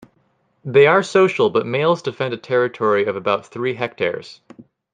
They are social but males defend a territory of about three hectares.